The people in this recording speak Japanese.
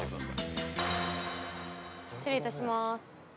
失礼いたします。